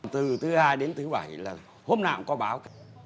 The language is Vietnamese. từ thứ hai đến thứ bảy là hôm nào cũng có báo cả